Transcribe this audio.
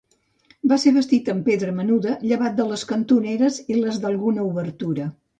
Va ser bastit amb pedra menuda, llevat de les cantoneres i les d'alguna obertura.